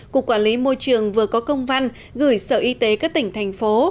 cục quản lý môi trường vừa có công văn gửi sở y tế các tỉnh thành phố